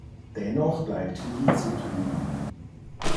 Dennoch bleibt viel zu tun.